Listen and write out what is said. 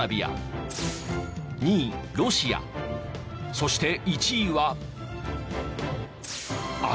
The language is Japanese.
そして１位は。